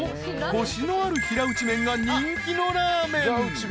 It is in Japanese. ［コシのある平打ち麺が人気のラーメン］